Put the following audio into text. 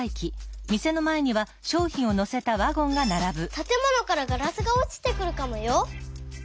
たてものからガラスがおちてくるかもよ。